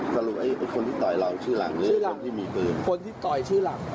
สรุปไอ้คนที่ต่อยเราชื่อหลัง